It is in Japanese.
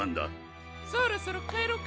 そろそろかえろうか